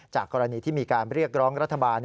กรณีที่มีการเรียกร้องรัฐบาล